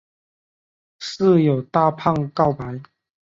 室友大胖告白。